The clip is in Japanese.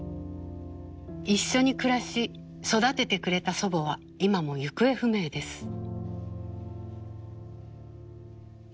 一緒に暮らし育ててくれた祖母は今も行方不明です。